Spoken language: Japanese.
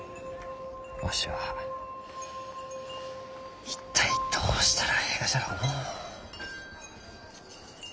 わしは一体どうしたらえいがじゃろうのう？